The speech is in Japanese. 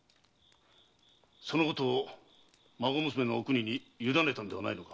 そのことを孫娘の“おくに”にゆだねたのではないのか？